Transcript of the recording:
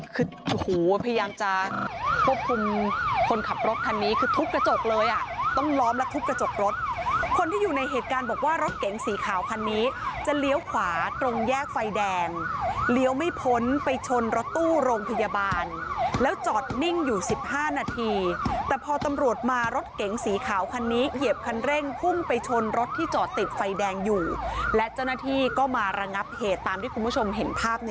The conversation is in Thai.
คือโอ้โหพยายามจะควบคุมคนขับรถคันนี้คือทุบกระจกเลยอ่ะต้องล้อมและทุบกระจกรถคนที่อยู่ในเหตุการณ์บอกว่ารถเก๋งสีขาวคันนี้จะเลี้ยวขวาตรงแยกไฟแดงเลี้ยวไม่พ้นไปชนรถตู้โรงพยาบาลแล้วจอดนิ่งอยู่๑๕นาทีแต่พอตำรวจมารถเก๋งสีขาวคันนี้เหยียบคันเร่งพุ่งไปชนรถที่จอดติดไฟแดงอยู่และเจ้าหน้าที่ก็มาระงับเหตุตามที่คุณผู้ชมเห็นภาพ